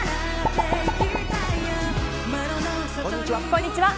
こんにちは。